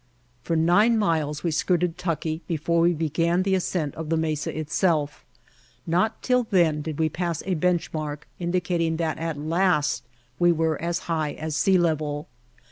For nine miles we skirted Tucki before we began the ascent of the mesa itself. Not till then did we pass a bench mark indicating that at last we were as high as sea level.